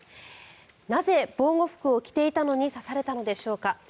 なぜ、防護服を着ていたのに刺されたのでしょうか。